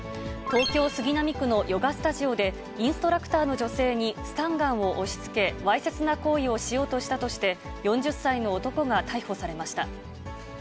東京・杉並区のヨガスタジオで、インストラクターの女性にスタンガンを押しつけ、わいせつな行為をしようとしたとして、４０歳の男が逮捕されました。